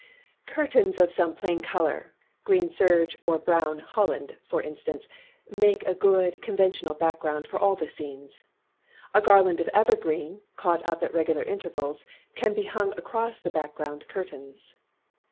Curtains of some plain colour green serge or brown holland, for instance make a good, conventional back ground for all the scenes. A garland of evergreen, caught up at regular intervals, can be hung across the background curtains.